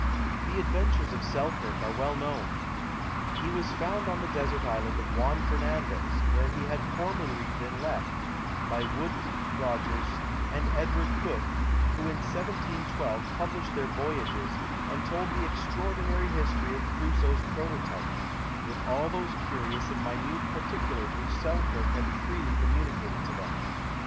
The adventures of Selkirk are well known: he was found on the desert island of Juan Fernandez, where he had formerly been left, by Woodes Rogers and Edward Cooke, who in 1712 published their voyages, and told the extraordinary history of Crusoe's prototype, with all those curious and minute particulars which Selkirk had freely communicated to them.